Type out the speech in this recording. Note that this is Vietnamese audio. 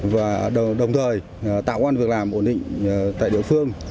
và đồng thời tạo quan việc làm ổn định tại địa phương